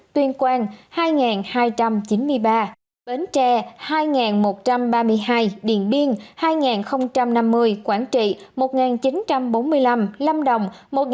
tuyên quang hai hai trăm chín mươi ba bến tre hai một trăm ba mươi hai điền biên hai năm mươi quảng trị một chín trăm bốn mươi năm lâm đồng một chín trăm hai mươi bảy